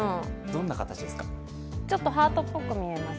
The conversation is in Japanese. ちょっとハートっぽく見えます？